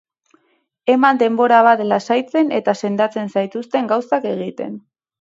Eman denbora bat lasaitzen eta sendatzen zaituzten gauzak egiten.